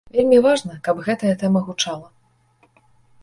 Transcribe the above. Вельмі важна, каб гэтая тэма гучала.